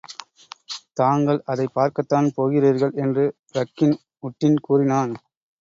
தாங்கள் அதைப் பார்க்கத்தான் போகிறீர்கள் என்று ரக்கின் உட்டின் கூறினான்.